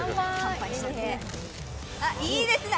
いいですね。